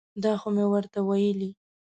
دا خو مې ورته ویلي.